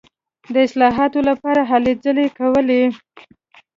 د اصلاحاتو لپاره هلې ځلې کولې.